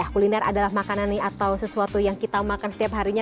kuliner adalah makanan atau sesuatu yang kita makan setiap harinya